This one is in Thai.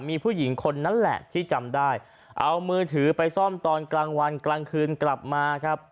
มีผู้หญิงคนนั้นแหละที่จำได้เอามือถือไปซ่อมตอนกลางวันกลางคืนกลับมาครับ